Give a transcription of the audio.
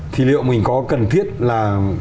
thì liệu mình có cần thiết là